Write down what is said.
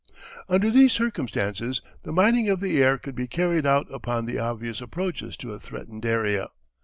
Under these circumstances the mining of the air could be carried out upon the obvious approaches to a threatened area.